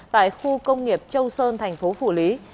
tại khu công nghiệp châu sơn thành phố phủ lý